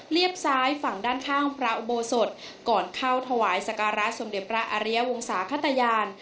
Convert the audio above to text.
ซ้ายฝั่งด้านข้างพระอุโบสถก่อนเข้าถวายสการะสมเด็จพระอริยวงศาขตยาน